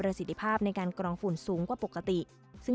และการบริการผู้โดยสาร๑๒๗๕ราย